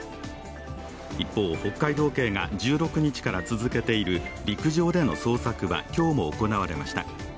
一方、北海道警が１６日から続けている陸上での捜索は今日も行われました。